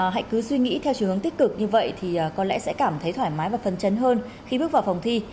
hãy cứ suy nghĩ theo chiều hướng tích cực như vậy thì có lẽ sẽ cảm thấy thoải mái và phân chấn hơn khi bước vào phòng thi